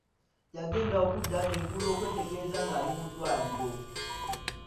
Yagenda okudda engulu okwetegereza nga ali mu ddwaliro.